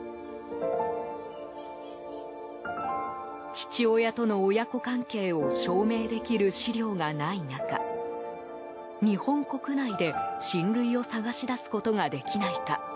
父親との親子関係を証明できる資料がない中日本国内で親類を探し出すことができないか。